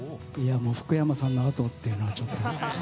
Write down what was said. もう福山さんのあとっていうのが、ちょっとね。